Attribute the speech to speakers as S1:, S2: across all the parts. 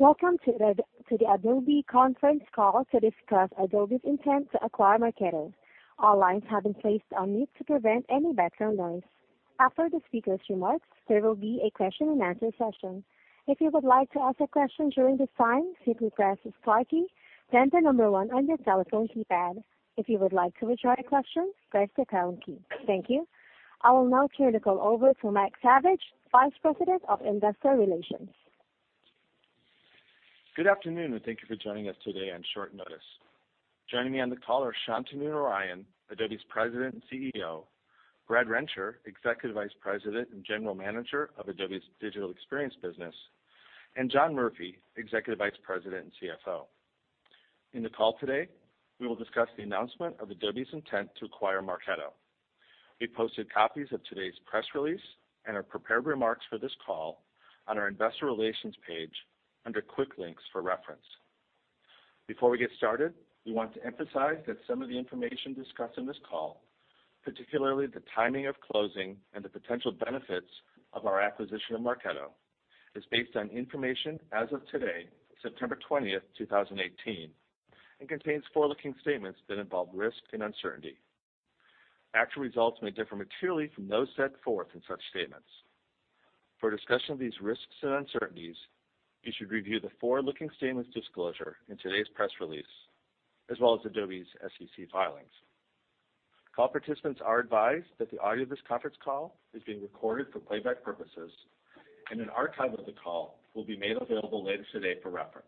S1: Welcome to the Adobe conference call to discuss Adobe's intent to acquire Marketo. All lines have been placed on mute to prevent any background noise. After the speaker's remarks, there will be a question and answer session. If you would like to ask a question during this time, simply press the star key, then the number one on your telephone keypad. If you would like to withdraw your question, press the pound key. Thank you. I will now turn the call over to Mike Savage, Vice President of Investor Relations.
S2: Good afternoon. Thank you for joining us today on short notice. Joining me on the call are Shantanu Narayen, Adobe's President and CEO, Brad Rencher, Executive Vice President and General Manager of Adobe's Digital Experience Business, John Murphy, Executive Vice President and CFO. In the call today, we will discuss the announcement of Adobe's intent to acquire Marketo. We posted copies of today's press release and our prepared remarks for this call on our investor relations page under Quick Links for reference. Before we get started, we want to emphasize that some of the information discussed in this call, particularly the timing of closing and the potential benefits of our acquisition of Marketo, is based on information as of today, September 20th, 2018, and contains forward-looking statements that involve risk and uncertainty. Actual results may differ materially from those set forth in such statements. For a discussion of these risks and uncertainties, you should review the forward-looking statements disclosure in today's press release, as well as Adobe's SEC filings. Call participants are advised that the audio of this conference call is being recorded for playback purposes. An archive of the call will be made available later today for reference.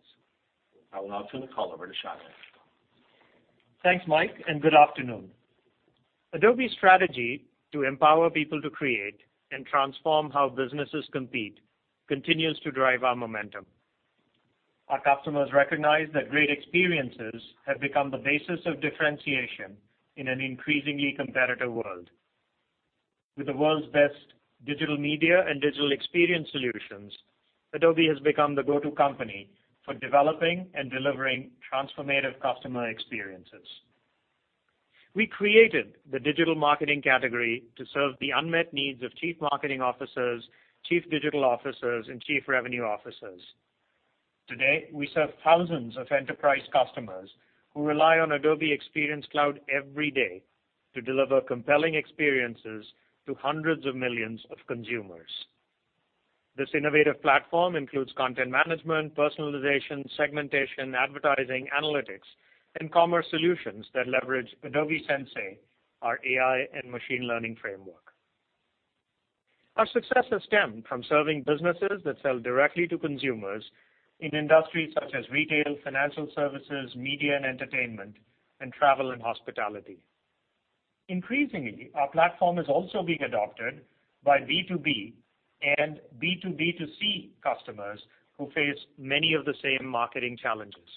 S2: I will now turn the call over to Shantanu.
S3: Thanks, Mike. Good afternoon. Adobe's strategy to empower people to create and transform how businesses compete continues to drive our momentum. Our customers recognize that great experiences have become the basis of differentiation in an increasingly competitive world. With the world's best digital media and digital experience solutions, Adobe has become the go-to company for developing and delivering transformative customer experiences. We created the digital marketing category to serve the unmet needs of chief marketing officers, chief digital officers, and chief revenue officers. Today, we serve thousands of enterprise customers who rely on Adobe Experience Cloud every day to deliver compelling experiences to hundreds of millions of consumers. This innovative platform includes content management, personalization, segmentation, advertising, analytics, and commerce solutions that leverage Adobe Sensei, our AI and machine learning framework. Our success has stemmed from serving businesses that sell directly to consumers in industries such as retail, financial services, media and entertainment, and travel and hospitality. Increasingly, our platform is also being adopted by B2B and B2B2C customers who face many of the same marketing challenges.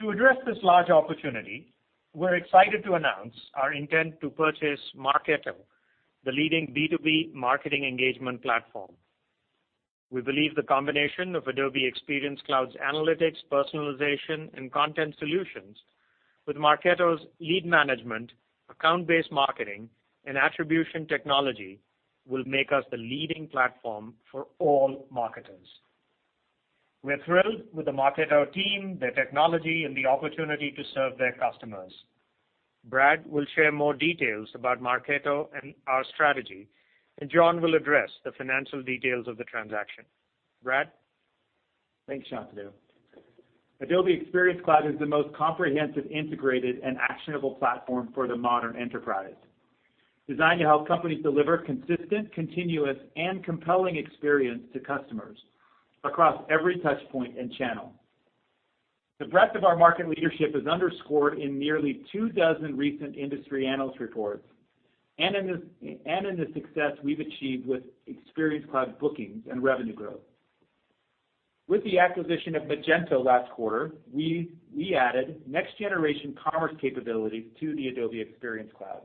S3: To address this large opportunity, we're excited to announce our intent to purchase Marketo, the leading B2B marketing engagement platform. We believe the combination of Adobe Experience Cloud's analytics, personalization, and content solutions with Marketo's lead management, account-based marketing, and attribution technology will make us the leading platform for all marketers. We're thrilled with the Marketo team, their technology, and the opportunity to serve their customers. Brad will share more details about Marketo and our strategy, and John will address the financial details of the transaction. Brad?
S4: Thanks, Shantanu. Adobe Experience Cloud is the most comprehensive, integrated, and actionable platform for the modern enterprise, designed to help companies deliver consistent, continuous, and compelling experience to customers across every touch point and channel. The breadth of our market leadership is underscored in nearly two dozen recent industry analyst reports and in the success we've achieved with Experience Cloud bookings and revenue growth. With the acquisition of Magento last quarter, we added next-generation commerce capabilities to the Adobe Experience Cloud.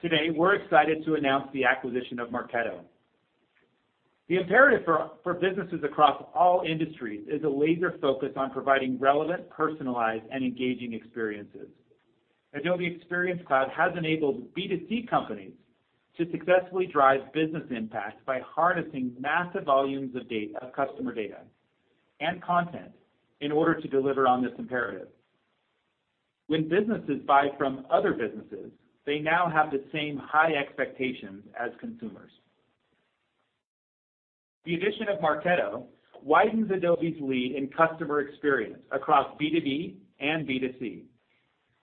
S4: Today, we're excited to announce the acquisition of Marketo. The imperative for businesses across all industries is a laser focus on providing relevant, personalized, and engaging experiences. Adobe Experience Cloud has enabled B2C companies to successfully drive business impact by harnessing massive volumes of customer data and content in order to deliver on this imperative. When businesses buy from other businesses, they now have the same high expectations as consumers. The addition of Marketo widens Adobe's lead in customer experience across B2B and B2C.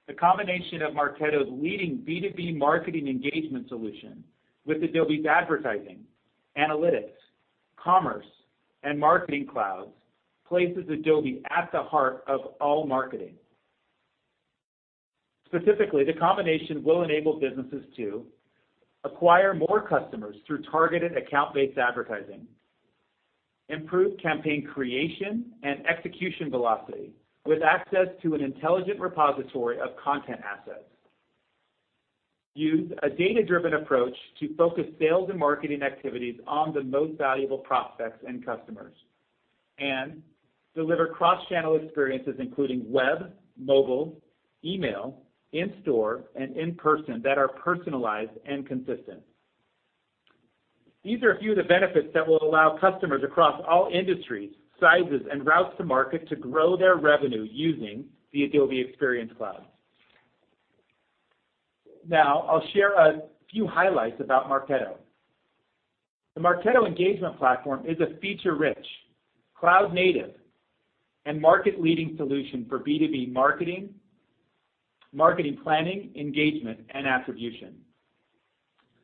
S4: The combination of Marketo's leading B2B marketing engagement solution with Adobe's advertising, analytics, commerce, and marketing clouds places Adobe at the heart of all marketing. Specifically, the combination will enable businesses to acquire more customers through targeted account-based advertising, improve campaign creation and execution velocity with access to an intelligent repository of content assets, use a data-driven approach to focus sales and marketing activities on the most valuable prospects and customers, and deliver cross-channel experiences including web, mobile, email, in-store, and in-person that are personalized and consistent. These are a few of the benefits that will allow customers across all industries, sizes, and routes to market to grow their revenue using the Adobe Experience Cloud. I'll share a few highlights about Marketo. The Marketo engagement platform is a feature-rich, cloud-native, and market-leading solution for B2B marketing planning, engagement, and attribution.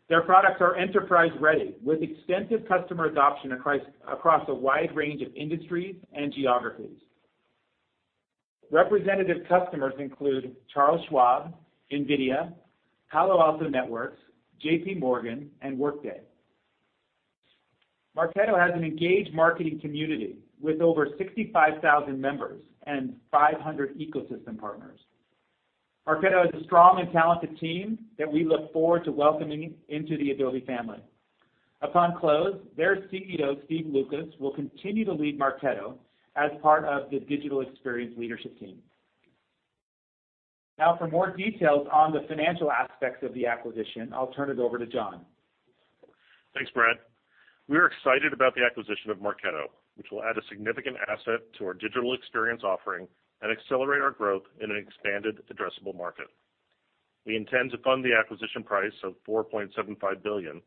S4: Their products are enterprise-ready with extensive customer adoption across a wide range of industries and geographies. Representative customers include Charles Schwab, NVIDIA, Palo Alto Networks, JP Morgan, and Workday. Marketo has an engaged marketing community with over 65,000 members and 500 ecosystem partners. Marketo has a strong and talented team that we look forward to welcoming into the Adobe family. Upon close, their CEO, Steve Lucas, will continue to lead Marketo as part of the digital experience leadership team. For more details on the financial aspects of the acquisition, I'll turn it over to John.
S5: Thanks, Brad. We are excited about the acquisition of Marketo, which will add a significant asset to our Digital Experience offering and accelerate our growth in an expanded addressable market. We intend to fund the acquisition price of $4.75 billion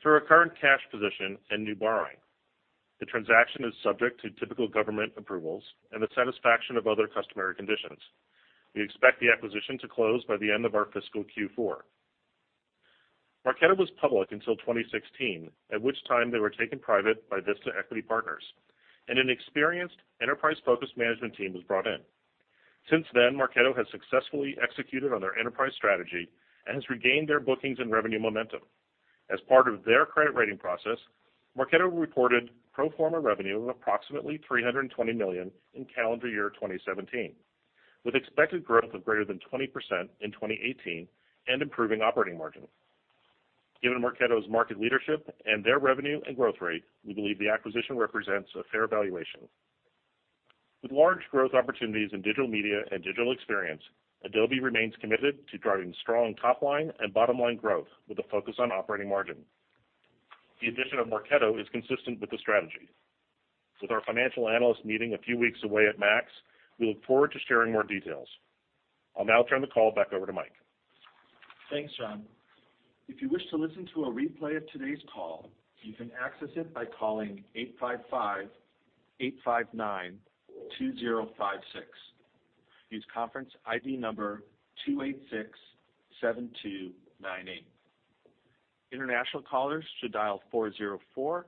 S5: through our current cash position and new borrowing. The transaction is subject to typical government approvals and the satisfaction of other customary conditions. We expect the acquisition to close by the end of our fiscal Q4. Marketo was public until 2016, at which time they were taken private by Vista Equity Partners, and an experienced enterprise-focused management team was brought in. Since then, Marketo has successfully executed on their enterprise strategy and has regained their bookings and revenue momentum. As part of their credit rating process, Marketo reported pro forma revenue of approximately $320 million in calendar year 2017, with expected growth of greater than 20% in 2018 and improving operating margin. Given Marketo's market leadership and their revenue and growth rate, we believe the acquisition represents a fair valuation. With large growth opportunities in Digital Media and Digital Experience, Adobe remains committed to driving strong top-line and bottom-line growth with a focus on operating margin. The addition of Marketo is consistent with the strategy. With our financial analyst meeting a few weeks away at MAX, we look forward to sharing more details. I'll now turn the call back over to Mike.
S2: Thanks, John. If you wish to listen to a replay of today's call, you can access it by calling 855-859-2056. Use conference ID number 2867298. International callers should dial 404-537-3406.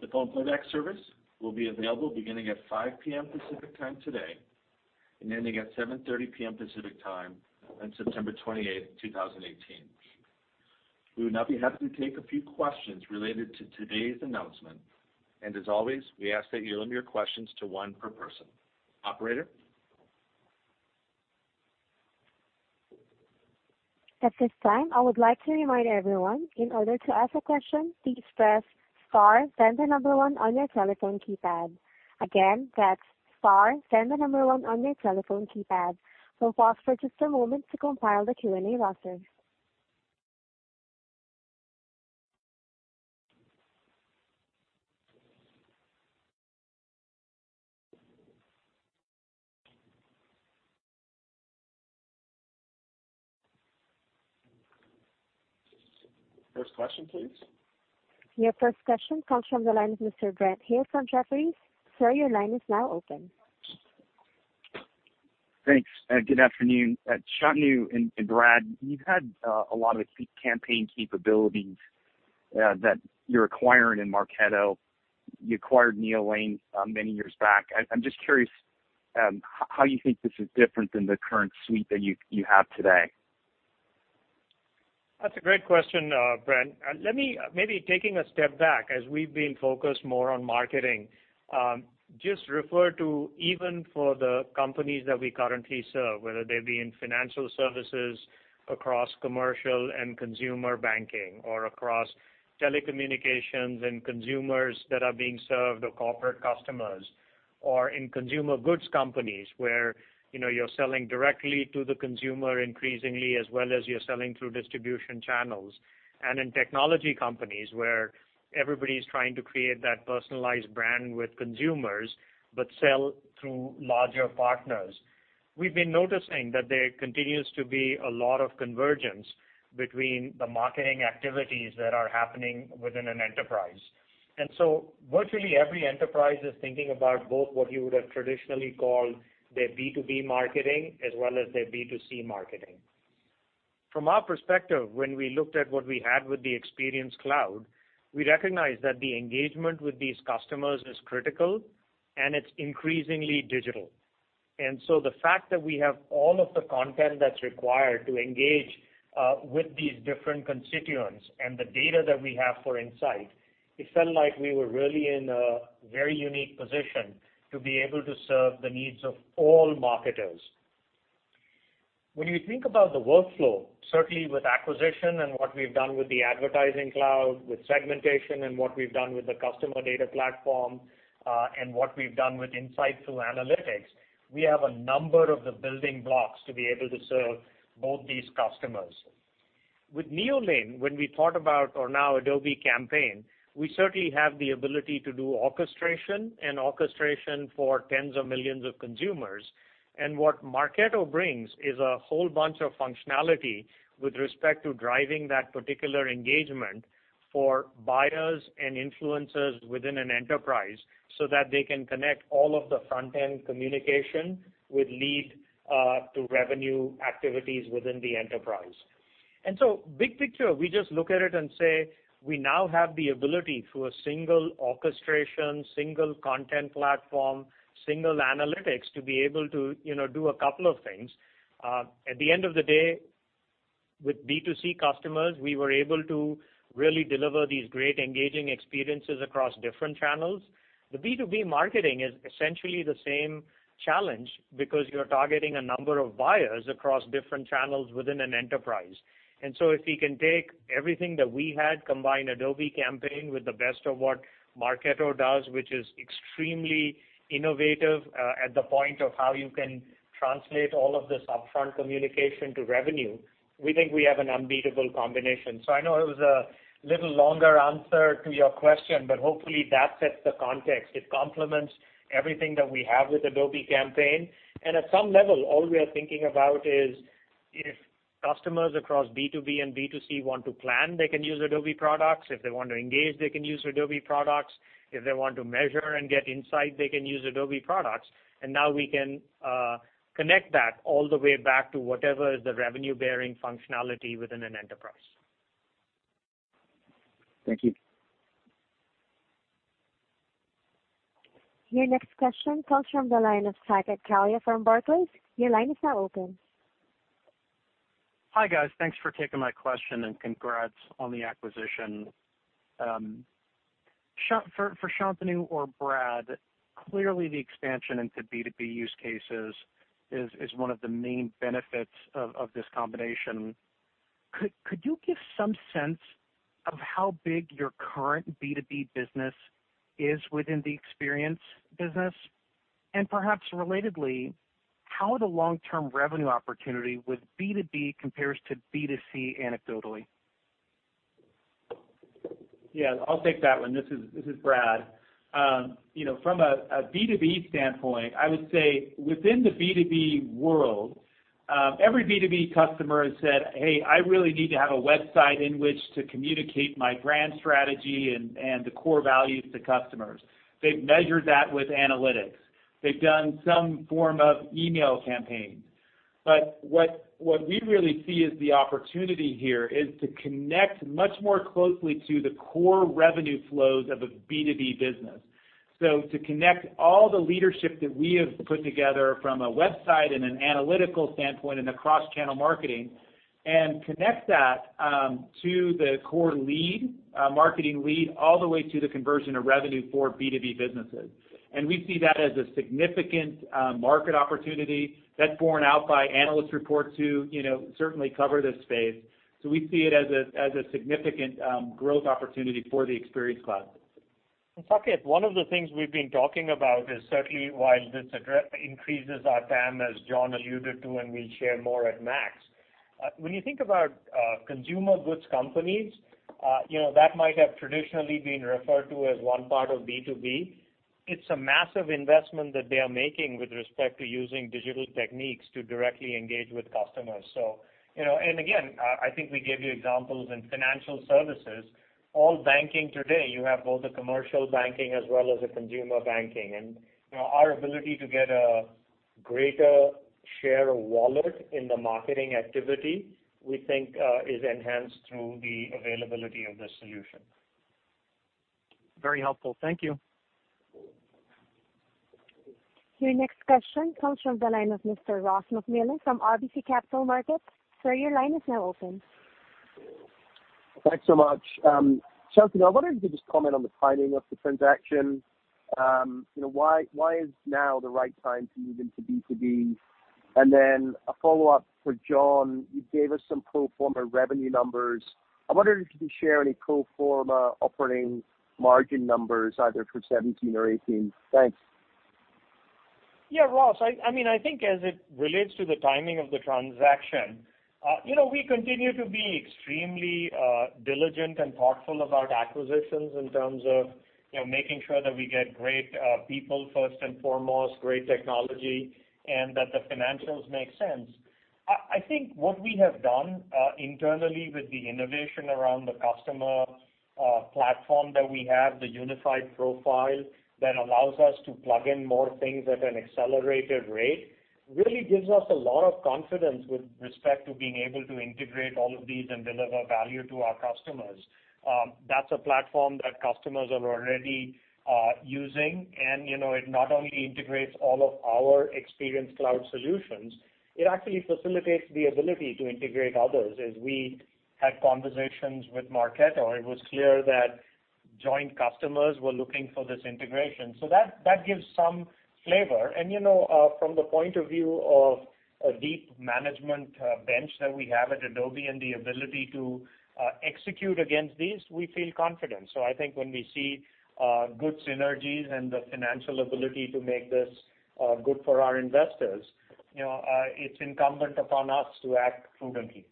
S2: The phone playback service will be available beginning at 5:00 P.M. Pacific Time today and ending at 7:30 P.M. Pacific Time on September 28th, 2018. We would now be happy to take a few questions related to today's announcement. As always, we ask that you limit your questions to one per person. Operator?
S1: At this time, I would like to remind everyone, in order to ask a question, please press star then the number one on your telephone keypad. Again, that's star then the number one on your telephone keypad. We'll pause for just a moment to compile the Q&A roster.
S2: First question, please.
S1: Your first question comes from the line of Mr. Brent Thill from Jefferies. Sir, your line is now open.
S6: Thanks. Good afternoon. Shantanu and Brad, you've had a lot of campaign capabilities that you're acquiring in Marketo. You acquired Neolane many years back. I'm just curious how you think this is different than the current suite that you have today.
S3: That's a great question, Brent. Maybe taking a step back, as we've been focused more on marketing, just refer to even for the companies that we currently serve, whether they be in financial services across commercial and consumer banking or across telecommunications and consumers that are being served or corporate customers or in consumer goods companies where you're selling directly to the consumer increasingly as well as you're selling through distribution channels, and in technology companies where everybody's trying to create that personalized brand with consumers but sell through larger partners. We've been noticing that there continues to be a lot of convergence between the marketing activities that are happening within an enterprise. So virtually every enterprise is thinking about both what you would have traditionally called their B2B marketing as well as their B2C marketing. From our perspective, when we looked at what we had with the Experience Cloud, we recognized that the engagement with these customers is critical, and it's increasingly digital. The fact that we have all of the content that's required to engage with these different constituents and the data that we have for insight, it felt like we were really in a very unique position to be able to serve the needs of all marketers. When you think about the workflow, certainly with acquisition and what we've done with the Advertising Cloud, with segmentation and what we've done with the customer data platform, and what we've done with insight through analytics, we have a number of the building blocks to be able to serve both these customers. With Neolane, when we thought about or now Adobe Campaign, we certainly have the ability to do orchestration and orchestration for tens of millions of consumers. What Marketo brings is a whole bunch of functionality with respect to driving that particular engagement for buyers and influencers within an enterprise so that they can connect all of the front-end communication with lead to revenue activities within the enterprise. Big picture, we just look at it and say, we now have the ability through a single orchestration, single content platform, single analytics to be able to do a couple of things. At the end of the day, with B2C customers, we were able to really deliver these great engaging experiences across different channels. The B2B marketing is essentially the same challenge because you're targeting a number of buyers across different channels within an enterprise. If we can take everything that we had, combine Adobe Campaign with the best of what Marketo does, which is extremely innovative at the point of how you can translate all of this upfront communication to revenue, we think we have an unbeatable combination. I know it was a little longer answer to your question, but hopefully that sets the context. It complements everything that we have with Adobe Campaign, and at some level, all we are thinking about is if customers across B2B and B2C want to plan, they can use Adobe products. If they want to engage, they can use Adobe products. If they want to measure and get insight, they can use Adobe products. Now we can connect that all the way back to whatever is the revenue-bearing functionality within an enterprise.
S6: Thank you.
S1: Your next question comes from the line of Saket Kalia from Barclays. Your line is now open.
S7: Hi, guys. Thanks for taking my question, and congrats on the acquisition. For Shantanu or Brad, clearly the expansion into B2B use cases is one of the main benefits of this combination. Could you give some sense of how big your current B2B business is within the Experience business? And perhaps relatedly, how the long-term revenue opportunity with B2B compares to B2C anecdotally?
S4: Yeah, I'll take that one. This is Brad. From a B2B standpoint, I would say within the B2B world, every B2B customer has said, "Hey, I really need to have a website in which to communicate my brand strategy and the core values to customers." They've measured that with analytics. They've done some form of email campaigns. What we really see is the opportunity here is to connect much more closely to the core revenue flows of a B2B business. To connect all the leadership that we have put together from a website and an analytical standpoint and the cross-channel marketing and connect that to the core lead, marketing lead, all the way to the conversion of revenue for B2B businesses. We see that as a significant market opportunity that's borne out by analyst reports who certainly cover this space. We see it as a significant growth opportunity for the Experience Cloud.
S3: Saket, one of the things we've been talking about is certainly while this address increases our TAM, as John alluded to, and we'll share more at MAX. When you think about consumer goods companies, that might have traditionally been referred to as one part of B2B. It's a massive investment that they are making with respect to using digital techniques to directly engage with customers. Again, I think we gave you examples in financial services. All banking today, you have both the commercial banking as well as the consumer banking. Our ability to get a greater share of wallet in the marketing activity, we think is enhanced through the availability of this solution.
S7: Very helpful. Thank you.
S1: Your next question comes from the line of Mr. Ross MacMillan from RBC Capital Markets. Sir, your line is now open.
S8: Thanks so much. Shantanu, I wonder if you could just comment on the timing of the transaction. Why is now the right time to move into B2B? Then a follow-up for John. You gave us some pro forma revenue numbers. I wonder if you could share any pro forma operating margin numbers either for 2017 or 2018. Thanks.
S3: Yeah, Ross, I think as it relates to the timing of the transaction, we continue to be extremely diligent and thoughtful about acquisitions in terms of making sure that we get great people, first and foremost, great technology, and that the financials make sense. I think what we have done internally with the innovation around the customer platform that we have, the unified profile that allows us to plug in more things at an accelerated rate, really gives us a lot of confidence with respect to being able to integrate all of these and deliver value to our customers. That's a platform that customers are already using, and it not only integrates all of our Adobe Experience Cloud solutions, it actually facilitates the ability to integrate others. As we had conversations with Marketo, it was clear that joint customers were looking for this integration. That gives some flavor. From the point of view of a deep management bench that we have at Adobe and the ability to execute against these, we feel confident. I think when we see good synergies and the financial ability to make this good for our investors, it's incumbent upon us to act prudently.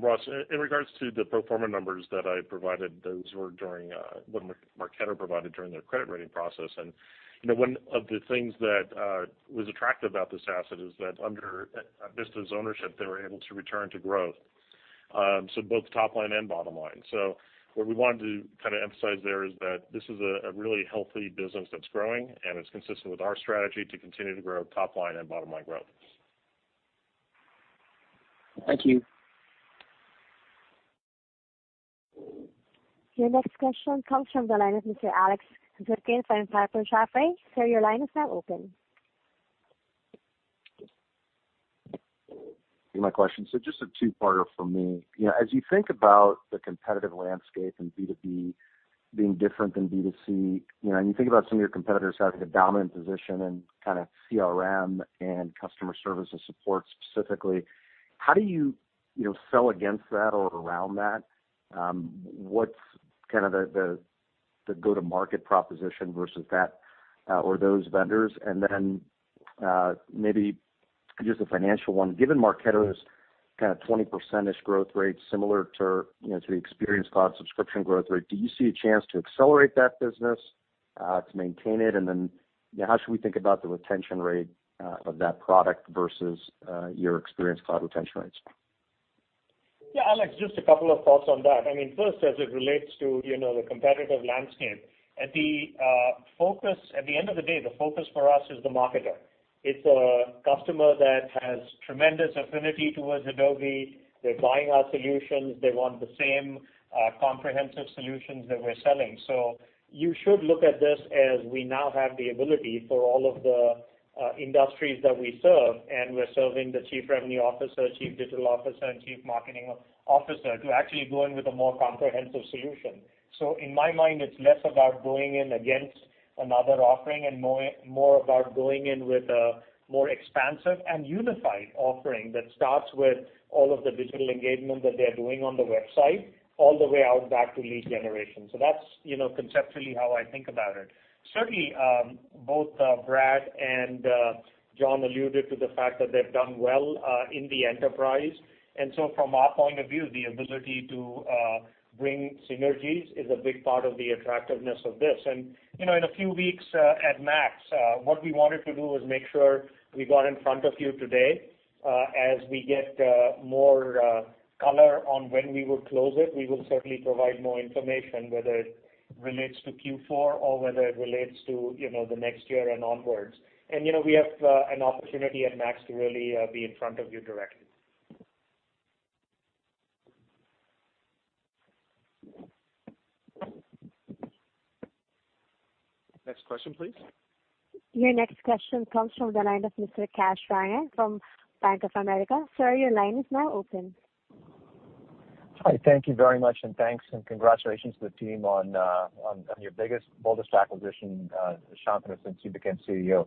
S5: Ross, in regards to the pro forma numbers that I provided, those were what Marketo provided during their credit rating process. One of the things that was attractive about this asset is that under Vista's ownership, they were able to return to growth. Both top line and bottom line. What we wanted to kind of emphasize there is that this is a really healthy business that's growing, and it's consistent with our strategy to continue to grow top line and bottom line growth.
S8: Thank you.
S1: Your next question comes from the line of Mr. Alex Zukin from Piper Jaffray. Sir, your line is now open.
S9: My question, just a two-parter from me. As you think about the competitive landscape and B2B being different than B2C, and you think about some of your competitors having a dominant position in kind of CRM and customer service and support specifically, how do you sell against that or around that? What's kind of the go-to-market proposition versus that or those vendors? Maybe just a financial one, given Marketo's kind of 20%-ish growth rate similar to the Adobe Experience Cloud subscription growth rate, do you see a chance to accelerate that business, to maintain it? How should we think about the retention rate of that product versus your Adobe Experience Cloud retention rates?
S3: Alex, just a couple of thoughts on that. First, as it relates to the competitive landscape. At the end of the day, the focus for us is the marketer. It's a customer that has tremendous affinity towards Adobe. They're buying our solutions. They want the same comprehensive solutions that we're selling. You should look at this as we now have the ability for all of the industries that we serve, and we're serving the Chief Revenue Officer, Chief Digital Officer, and Chief Marketing Officer to actually go in with a more comprehensive solution. In my mind, it's less about going in against another offering and more about going in with a more expansive and unified offering that starts with all of the digital engagement that they're doing on the website, all the way outback to lead generation. That's conceptually how I think about it. Certainly, both Brad and John alluded to the fact that they've done well in the enterprise. From our point of view, the ability to bring synergies is a big part of the attractiveness of this. In a few weeks at Adobe MAX, what we wanted to do was make sure we got in front of you today. As we get more color on when we will close it, we will certainly provide more information whether it relates to Q4 or whether it relates to the next year and onwards. We have an opportunity at Adobe MAX to really be in front of you directly.
S2: Next question, please.
S1: Your next question comes from the line of Mr. Kash Rangan from Bank of America. Sir, your line is now open.
S10: Hi, thank you very much, and thanks and congratulations to the team on your biggest, boldest acquisition, Shantanu, since you became CEO.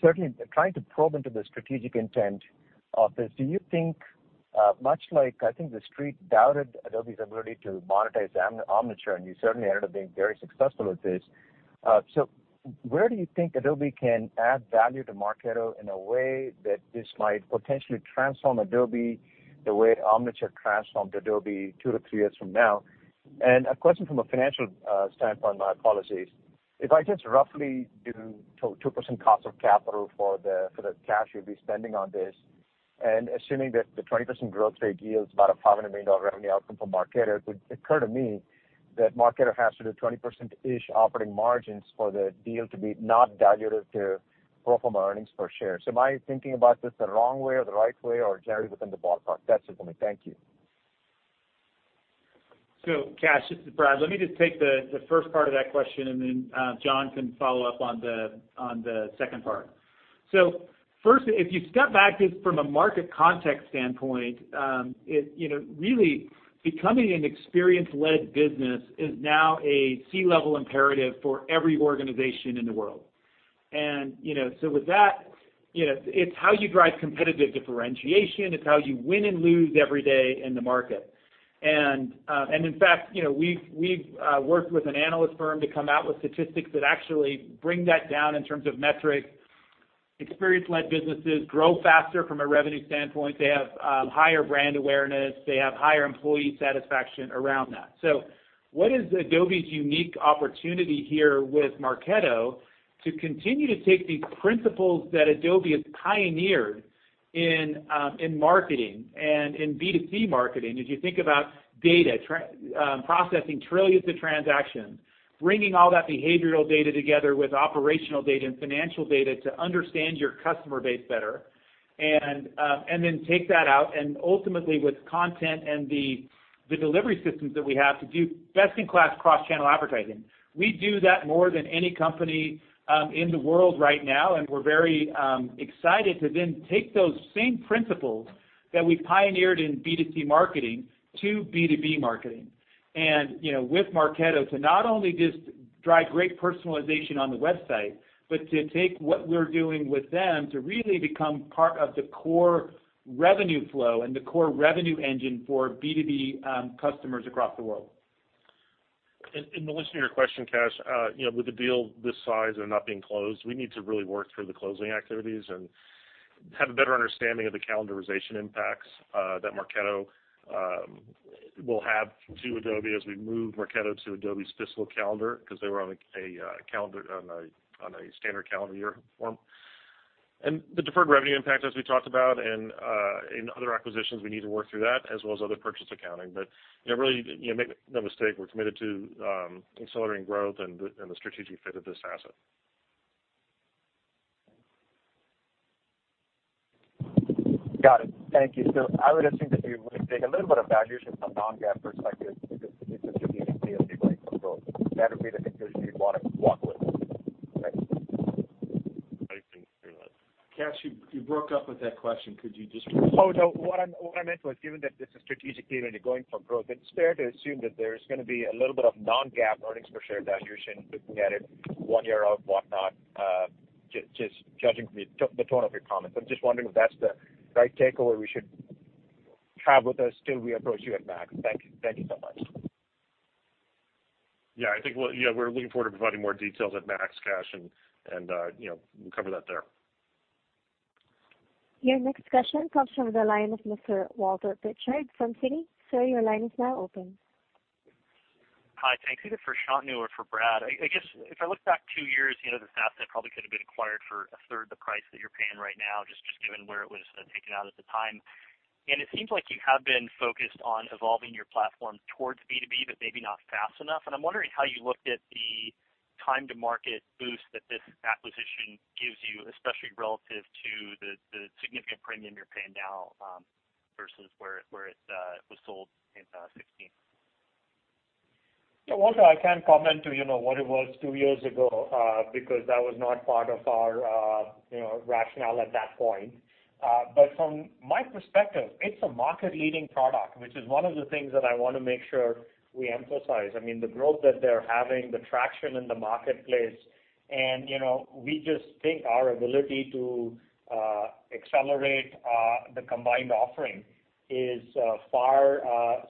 S10: Certainly trying to probe into the strategic intent of this, do you think, much like I think the street doubted Adobe's ability to monetize Omniture, and you certainly ended up being very successful with this. Where do you think Adobe can add value to Marketo in a way that this might potentially transform Adobe the way Omniture transformed Adobe two to three years from now? A question from a financial standpoint, my apologies. If I just roughly do 2% cost of capital for the cash you'll be spending on this, and assuming that the 20% growth rate yields about a $500 million revenue outcome from Marketo, it would occur to me that Marketo has to do 20%-ish operating margins for the deal to be not dilutive to pro forma earnings per share. Am I thinking about this the wrong way or the right way or generally within the ballpark? That's it for me. Thank you.
S4: Kash, this is Brad. Let me just take the first part of that question, and then John can follow up on the second part. First, if you step back just from a market context standpoint, really becoming an experience-led business is now a C-level imperative for every organization in the world. With that, it's how you drive competitive differentiation. It's how you win and lose every day in the market. In fact, we've worked with an analyst firm to come out with statistics that actually bring that down in terms of metrics. Experience-led businesses grow faster from a revenue standpoint. They have higher brand awareness. They have higher employee satisfaction around that. What is Adobe's unique opportunity here with Marketo to continue to take these principles that Adobe has pioneered in marketing and in B2C marketing? As you think about data, processing trillions of transactions, bringing all that behavioral data together with operational data and financial data to understand your customer base better, and then take that out, and ultimately with content and the delivery systems that we have to do best-in-class cross-channel advertising. We do that more than any company in the world right now, and we're very excited to then take those same principles that we've pioneered in B2C marketing to B2B marketing.
S3: With Marketo, to not only just drive great personalization on the website, but to take what we're doing with them to really become part of the core revenue flow and the core revenue engine for B2B customers across the world.
S5: In the list of your question, Kash, with a deal this size and not being closed, we need to really work through the closing activities and have a better understanding of the calendarization impacts that Marketo will have to Adobe as we move Marketo to Adobe's fiscal calendar because they were on a standard calendar year form. The deferred revenue impact, as we talked about, and in other acquisitions, we need to work through that as well as other purchase accounting. Really, make no mistake, we're committed to accelerating growth and the strategic fit of this asset.
S10: Got it. Thank you. I would assume that you would take a little bit of valuation from non-GAAP perspective because it's a strategic
S1: I didn't hear that.
S3: Kash, you broke up with that question. Could you just repeat?
S10: Oh, no. What I meant was, given that this is strategically going for growth, it's fair to assume that there's going to be a little bit of non-GAAP earnings per share valuation, looking at it one year out, whatnot, just judging from the tone of your comments. I'm just wondering if that's the right take or we should have with us till we approach you at MAX. Thank you so much.
S5: Yeah, we're looking forward to providing more details at MAX, Kash, we'll cover that there.
S1: Your next question comes from the line of Mr. Walter Pritchard from Citi. Sir, your line is now open.
S11: Hi. Thank you. For Shantanu or for Brad, I guess if I look back two years, this asset probably could have been acquired for a third the price that you're paying right now, just given where it was taken out at the time. It seems like you have been focused on evolving your platform towards B2B, but maybe not fast enough. I'm wondering how you looked at the time to market boost that this acquisition gives you, especially relative to the significant premium you're paying now, versus where it was sold in 2016.
S3: Yeah, Walter, I can't comment to what it was two years ago, because that was not part of our rationale at that point. From my perspective, it's a market-leading product, which is one of the things that I want to make sure we emphasize. I mean, the growth that they're having, the traction in the marketplace, we just think our ability to accelerate the combined offering is far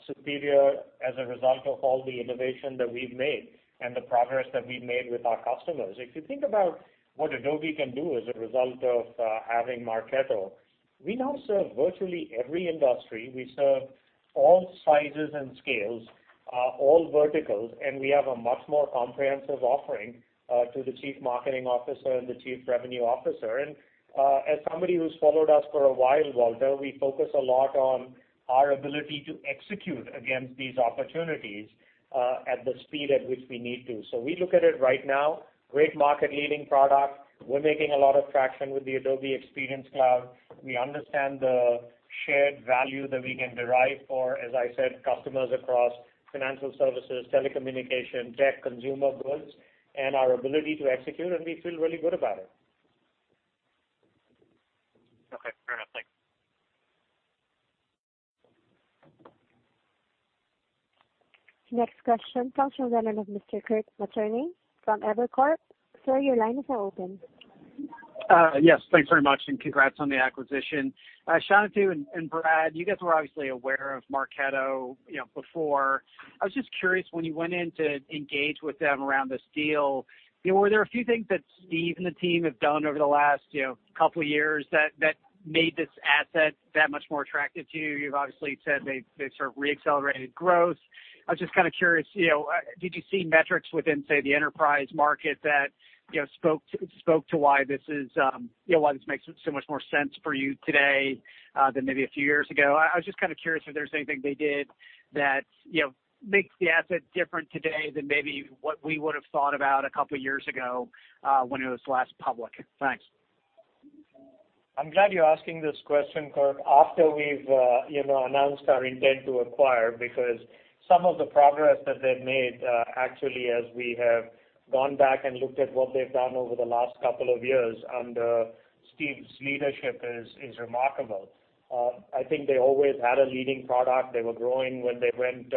S3: superior as a result of all the innovation that we've made and the progress that we've made with our customers. If you think about what Adobe can do as a result of having Marketo, we now serve virtually every industry. We serve all sizes and scales, all verticals, we have a much more comprehensive offering to the chief marketing officer and the chief revenue officer. As somebody who's followed us for a while, Walter, we focus a lot on our ability to execute against these opportunities, at the speed at which we need to. We look at it right now, great market-leading product. We're making a lot of traction with the Adobe Experience Cloud. We understand the shared value that we can derive for, as I said, customers across financial services, telecommunication, tech, consumer goods, and our ability to execute, and we feel really good about it.
S11: Okay, fair enough. Thanks.
S1: Next question comes from the line of Mr. Kirk Materne from Evercore. Sir, your line is now open.
S12: Thanks very much, congrats on the acquisition. Shantanu and Brad, you guys were obviously aware of Marketo before. I was just curious, when you went in to engage with them around this deal, were there a few things that Steve and the team have done over the last couple of years that made this asset that much more attractive to you? You've obviously said they sort of re-accelerated growth. I was just kind of curious, did you see metrics within, say, the enterprise market that spoke to why this makes so much more sense for you today than maybe a few years ago? I was just kind of curious if there's anything they did that makes the asset different today than maybe what we would've thought about a couple years ago when it was last public. Thanks.
S3: I'm glad you're asking this question, Kirk, after we've announced our intent to acquire because some of the progress that they've made, actually, as we have gone back and looked at what they've done over the last couple of years under Steve's leadership is remarkable. I think they always had a leading product. They were growing when they went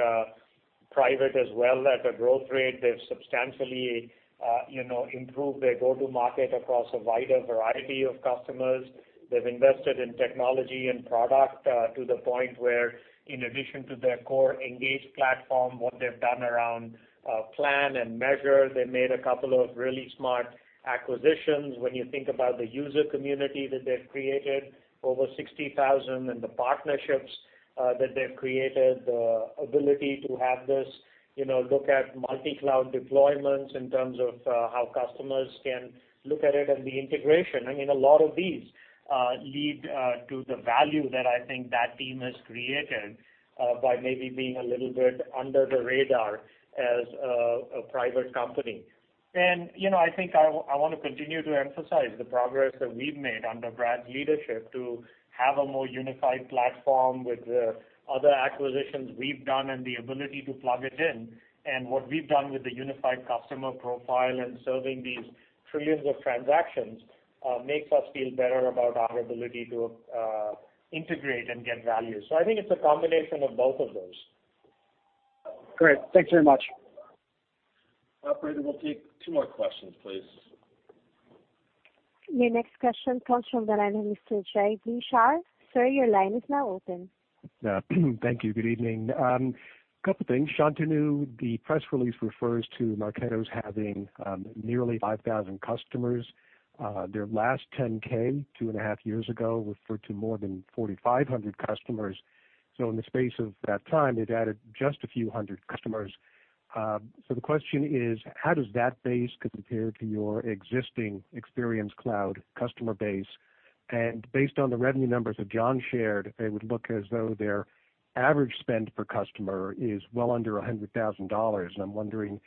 S3: private as well at a growth rate. They've substantially improved their go-to market across a wider variety of customers. They've invested in technology and product to the point where in addition to their core engaged platform, what they've done around plan and measure, they made a couple of really smart acquisitions. When you think about the user community that they've created, over 60,000, and the partnerships that they've created, the ability to have this look at multi-cloud deployments in terms of how customers can look at it and the integration. I mean, a lot of these lead to the value that I think that team has created by maybe being a little bit under the radar as a private company. I think I want to continue to emphasize the progress that we've made under Brad's leadership to have a more unified platform with the other acquisitions we've done and the ability to plug it in. What we've done with the unified customer profile and serving these trillions of transactions makes us feel better about our ability to integrate and get value. I think it's a combination of both of those.
S12: Great. Thanks very much.
S2: Operator, we'll take two more questions, please.
S1: Your next question comes from the line of Mr. Jay B. Shah. Sir, your line is now open.
S13: Thank you. Good evening. A couple of things. Shantanu, the press release refers to Marketo's having nearly 5,000 customers. Their last 10-K, two and a half years ago, referred to more than 4,500 customers. In the space of that time, they've added just a few hundred customers. The question is, how does that base compare to your existing Experience Cloud customer base? Based on the revenue numbers that John shared, it would look as though their average spend per customer is well under $100,000. I'm wondering,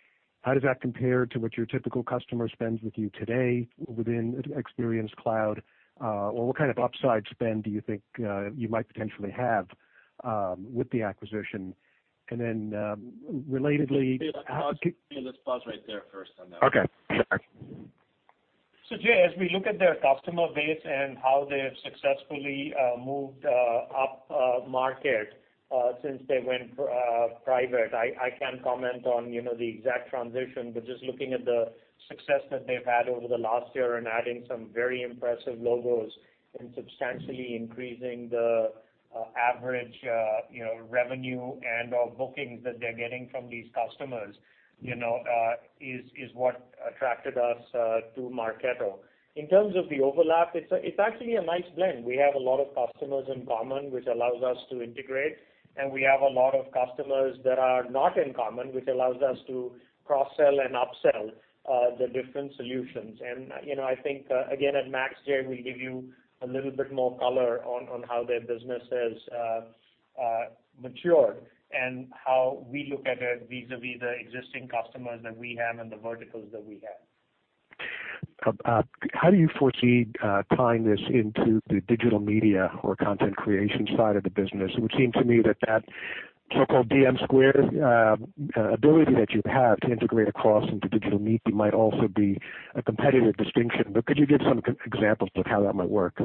S13: how does that compare to what your typical customer spends with you today within Experience Cloud? Or what kind of upside spend do you think you might potentially have with the acquisition? relatedly-
S4: Jay, let's pause right there first on that.
S13: Okay. Sorry.
S3: Jay, as we look at their customer base and how they have successfully moved upmarket since they went private, I can't comment on the exact transition, but just looking at the success that they've had over the last year and adding some very impressive logos and substantially increasing the average revenue and/or bookings that they're getting from these customers, is what attracted us to Marketo. In terms of the overlap, it's actually a nice blend. We have a lot of customers in common, which allows us to integrate, and we have a lot of customers that are not in common, which allows us to cross-sell and upsell the different solutions. I think, again, at Adobe MAX, Jay, we'll give you a little bit more color on how their business has matured and how we look at it vis-a-vis the existing customers that we have and the verticals that we have.
S13: How do you foresee tying this into the digital media or content creation side of the business? It would seem to me that so-called DM squared ability that you have to integrate across into digital media might also be a competitive distinction. Could you give some examples of how that might work?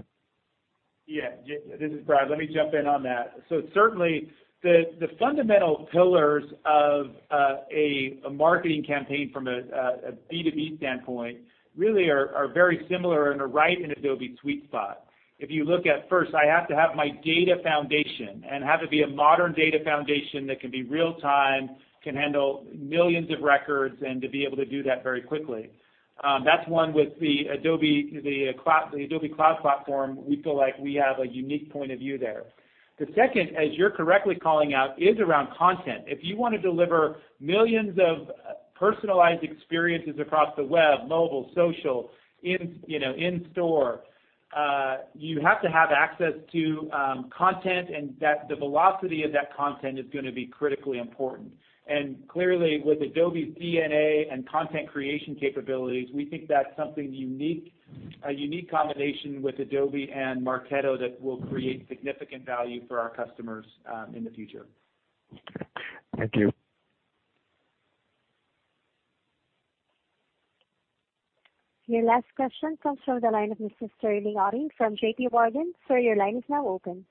S4: Yeah. This is Brad. Let me jump in on that. Certainly, the fundamental pillars of a marketing campaign from a B2B standpoint really are very similar and are right in Adobe's sweet spot. If you look at first, I have to have my data foundation and have it be a modern data foundation that can be real time, can handle millions of records, and to be able to do that very quickly. That's one with the Adobe Experience Platform, we feel like we have a unique point of view there. The second, as you're correctly calling out, is around content. If you want to deliver millions of personalized experiences across the web, mobile, social, in store, you have to have access to content and the velocity of that content is going to be critically important. Clearly with Adobe's DNA and content creation capabilities, we think that's something unique, a unique combination with Adobe and Marketo that will create significant value for our customers in the future.
S13: Thank you.
S1: Your last question comes from the line of Mr. Sterling Auty from JP Morgan. Sir, your line is now open.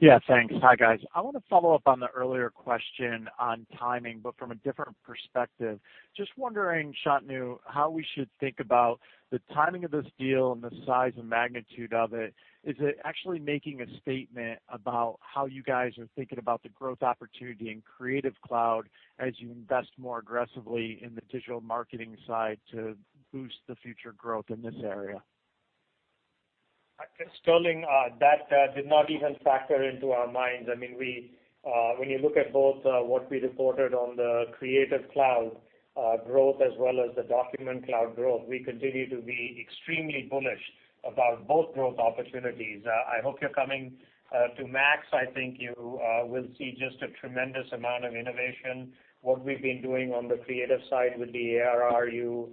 S14: Yeah, thanks. Hi, guys. I want to follow up on the earlier question on timing, from a different perspective. Just wondering, Shantanu, how we should think about the timing of this deal and the size and magnitude of it. Is it actually making a statement about how you guys are thinking about the growth opportunity in Creative Cloud as you invest more aggressively in the digital marketing side to boost the future growth in this area?
S3: Sterling, that did not even factor into our minds. When you look at both what we reported on the Creative Cloud growth as well as the Document Cloud growth, we continue to be extremely bullish about both growth opportunities. I hope you're coming to Adobe MAX. I think you will see just a tremendous amount of innovation. What we've been doing on the creative side with the ARR, you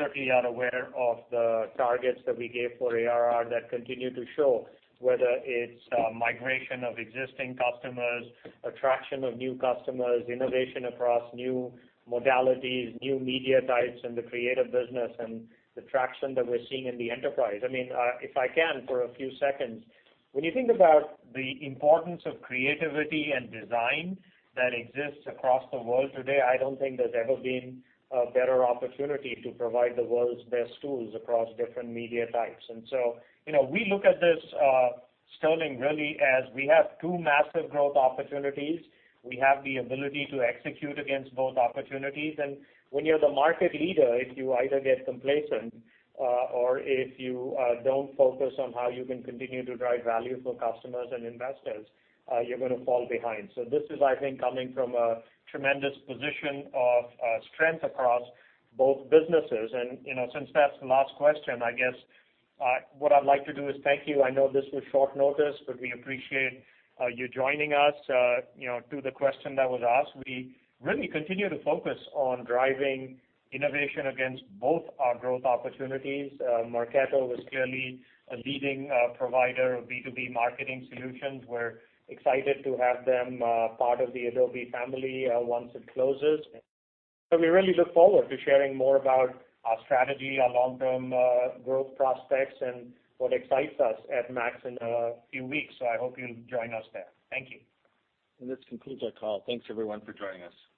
S3: certainly are aware of the targets that we gave for ARR that continue to show, whether it's migration of existing customers, attraction of new customers, innovation across new modalities, new media types in the creative business, and the traction that we're seeing in the enterprise. If I can for a few seconds, when you think about the importance of creativity and design that exists across the world today, I don't think there's ever been a better opportunity to provide the world's best tools across different media types. We look at this, Sterling, really as we have two massive growth opportunities. We have the ability to execute against both opportunities. When you're the market leader, if you either get complacent or if you don't focus on how you can continue to drive value for customers and investors, you're going to fall behind. This is, I think, coming from a tremendous position of strength across both businesses. Since that's the last question, I guess what I'd like to do is thank you. I know this was short notice, but we appreciate you joining us. To the question that was asked, we really continue to focus on driving innovation against both our growth opportunities. Marketo was clearly a leading provider of B2B marketing solutions. We're excited to have them part of the Adobe family once it closes. We really look forward to sharing more about our strategy, our long-term growth prospects, and what excites us at Adobe MAX in a few weeks. I hope you'll join us there. Thank you.
S4: This concludes our call. Thanks, everyone, for joining us.